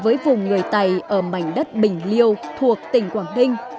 với vùng người tày ở mảnh đất bình liêu thuộc tỉnh quảng ninh